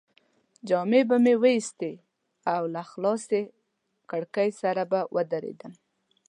جامې به مې وایستې او له خلاصې کړکۍ سره به ودرېدم.